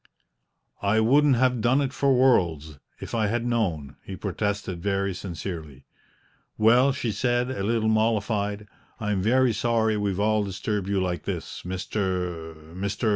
"I wouldn't have done it for worlds, if I had known!" he protested very sincerely. "Well," she said, a little mollified, "I am very sorry we've all disturbed you like this, Mr. Mr.